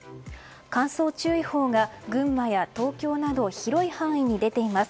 乾燥注意報が群馬や東京など広い範囲に出ています。